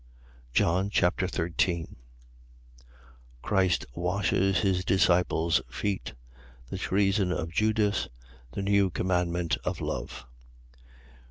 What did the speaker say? John Chapter 13 Christ washes his disciples' feet. The treason of Judas. The new commandment of love.